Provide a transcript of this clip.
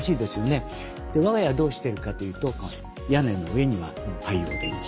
我が家はどうしてるかというと屋根の上には太陽電池。